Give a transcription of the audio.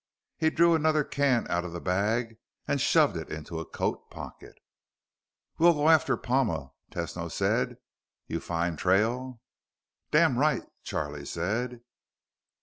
He drew another can out of the bag and shoved it into a coat pocket. "We'll go after Palma," Tesno said. "You find trail?" "Damn right," Charlie said.